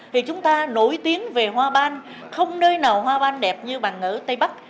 thì chúng ta nổi tiếng về hoa ban không nơi nào hoa ban đẹp như bằng ở đà lạt